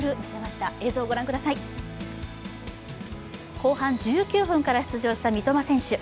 後半１９分から出場した三笘選手。